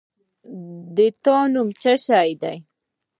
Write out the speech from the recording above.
د تا نوم څه شی ده؟